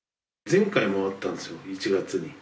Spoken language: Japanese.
前回もあったんですよ、１月に。